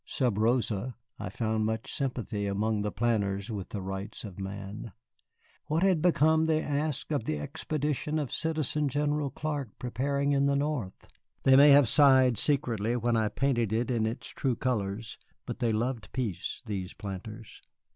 Sub rosa, I found much sympathy among the planters with the Rights of Man. What had become, they asked, of the expedition of Citizen General Clark preparing in the North? They may have sighed secretly when I painted it in its true colors, but they loved peace, these planters.